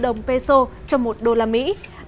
đồng peso chuyển đổi ban đầu chỉ được sử dụng